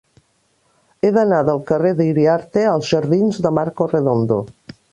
He d'anar del carrer d'Iriarte als jardins de Marcos Redondo.